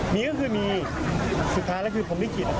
มีก็คือมีสุดท้ายแล้วคือผมลิขิต